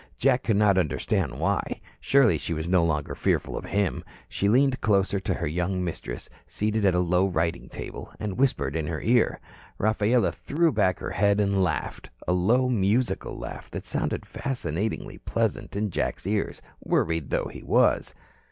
Jack could not understand why. Surely, she was no longer fearful of him. She leaned closer to her young mistress, seated at a low writing table, and whispered in her ear. Rafaela threw back her head and laughed a low, musical laugh that sounded fascinatingly pleasant in Jack's ears, worried though he was.